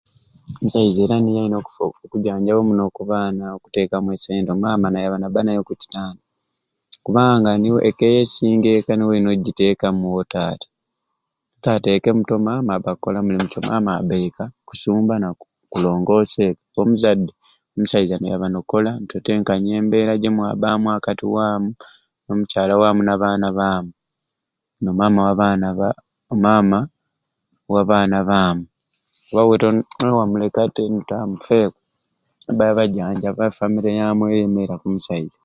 Omusaiza era niye alina okufo okujanjaba omuno abaana okuteekamu e sente o maama nayaba nabba naye oku kitanda kubanga niiwe e keya ekusinga eka niwe olina okugiteekamu we taata no taatekemu yete o maama akola mulimu ki I maama abba eka kusumbira nakulongoosa eka k'omuzadde omusaiza noyaba n'okola notetenkanya embeera gimwabaamu akati waamu n'omukyala wamu na baana baamu no maama wa baana baa maama wa baana baamu niwa niwamuleka te notaamufeeku famire yamwe eyemeera ku musaiza